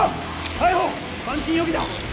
逮捕・監禁容疑だ！